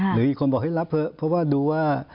หรืออีกคนบอกรับเถอะเพราะดูว่า